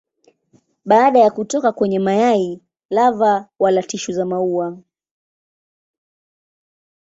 Baada ya kutoka kwenye mayai lava wala tishu za maua.